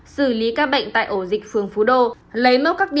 xử lý các bệnh tại ổ dịch phường phú đô